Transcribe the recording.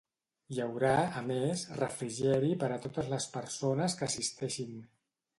Hi haurà, a més, refrigeri per a totes les persones que assisteixin.